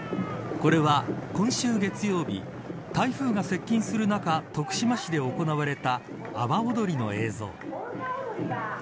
これは今週月曜日台風が接近する中徳島市で行われた阿波おどりの映像。